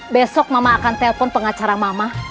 besok mama akan telpon pengacara mama